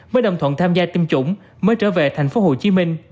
với đồng thuận tham gia tiêm chủng mới trở về tp hcm